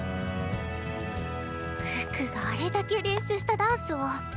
可可があれだけ練習したダンスを。